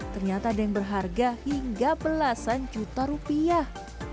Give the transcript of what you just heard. ternyata ada yang berharga hingga belasan juta rupiah